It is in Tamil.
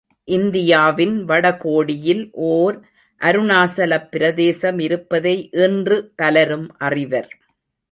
இந்தியாவின் வட கோடியில் ஓர் அருணாசலப் பிரதேசம் இருப்பதை இன்று பலரும் அறிவர்.